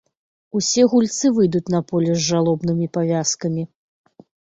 Усе гульцы выйдуць на поле з жалобнымі павязкамі.